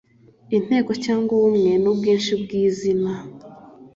inteko cyangwa ubumwe n'ubwinshi by'izina